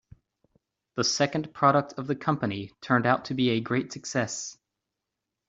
The second product of the company turned out to be a great success.